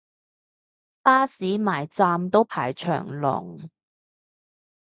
巴士埋站都排長龍